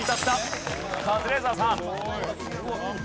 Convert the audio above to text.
カズレーザーさん。